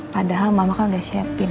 padahal mama kan udah siapin